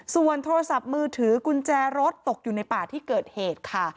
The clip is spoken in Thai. ส่วนโทรศัพท์มือถือกุญแจรถตกอยู่ในป่าที่เกิดเหตุค่ะ